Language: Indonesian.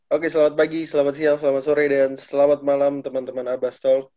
oke selamat pagi selamat siang selamat sore dan selamat malam teman teman abbas toll